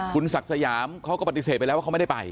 คุณศักดิ์สยามเขาก็ปฏิเสธไปแล้วว่าเขาไม่ได้ไป